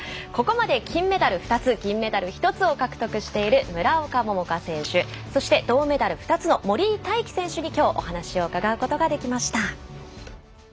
ここまで金メダル２つ銀メダル１つを獲得している村岡桃佳選手そして、銅メダル２つの森井大輝選手に、きょうお話を伺うことができました。